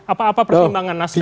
apa apa perkembangan nasib